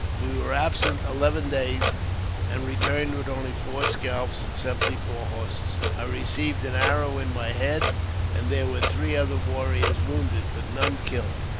We were absent eleven days, and returned with only four scalps and seventy four horses. I received an arrow in my head; and there were three other warriors wounded, but none killed.